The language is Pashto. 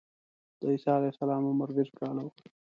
د عیسی علیه السلام عمر دېرش کاله و.